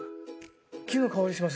木の香りがします。